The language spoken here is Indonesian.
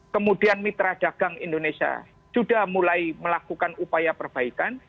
kemudian mitra dagang indonesia sudah mulai melakukan upaya perbaikan